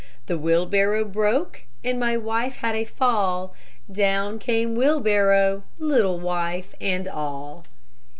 The wheelbarrow broke, And my wife had a fall; Down came wheelbarrow, Little wife and all.